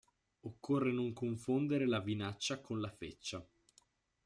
Occorre non confondere la vinaccia con la feccia.